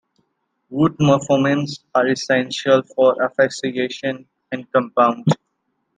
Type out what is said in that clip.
Root morphemes are essential for affixation and compounds.